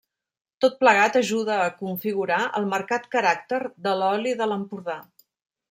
Tot plegat ajuda a configurar el marcat caràcter de l'oli de l'Empordà.